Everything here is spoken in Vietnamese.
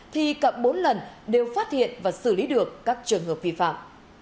thì cả bốn lần đều phát hiện và xử lý được các trường hợp vi phạm